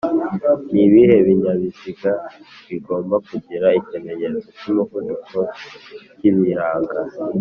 Nibihe binyabiziga bigomba kugira ikimenyetso cy’umuvuduko kibiranga